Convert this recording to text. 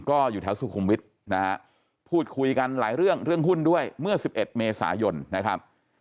ก็อยู่แถวสุขุมวิทย์นะฮะพูดคุยกันหลายเรื่องเรื่องหุ้นด้วยเมื่อ๑๑เมษายนนะครับ